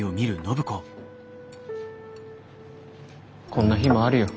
こんな日もあるよ。